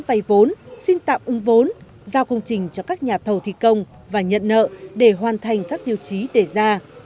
vay vốn xin tạm ứng vốn giao công trình cho các nhà thầu thi công và nhận nợ để hoàn thành các tiêu chí đề ra